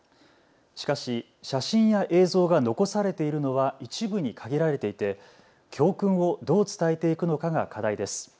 しかし写真や映像が残されているのは一部に限られていて、教訓をどう伝えていくのかが課題です。